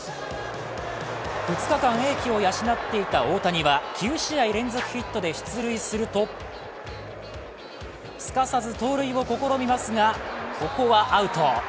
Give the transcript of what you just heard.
２日間英気を養っていた大谷は９試合連続ヒットで出塁するとすかさず盗塁を試みますがここはアウト。